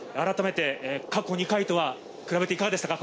過去２回とは比べていかがでしたか？